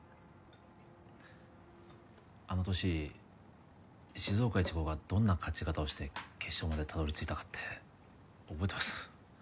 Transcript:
あの年静岡一高がどんな勝ち方をして決勝までたどり着いたかって覚えてます？